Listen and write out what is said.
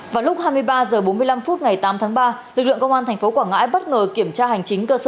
vào lúc hai mươi ba h bốn mươi năm phút ngày tám tháng ba lực lượng công an tp quảng ngãi bất ngờ kiểm tra hành chính cơ sở